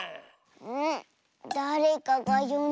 ん？